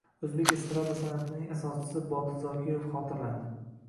O‘zbek estrada san’atining asoschisi Botir Zokirov xotirlandi